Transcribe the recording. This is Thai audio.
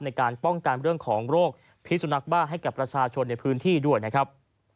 ในการป้องกันเรื่องของโรคพิสุนักบ้าให้กับประชาชนในพื้นที่ด้วยนะครับ